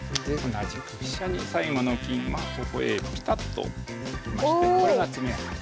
同じく飛車に最後の金はここへピタッときましてこれが詰め上がり。